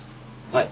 はい。